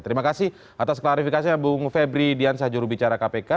terima kasih atas klarifikasinya bung febri diansah jurubicara kpk